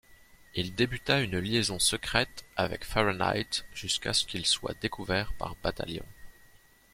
Il débuta une liaison secrète avec Fahrenheit jusqu'à ce qu'ils soient découverts par Battalion.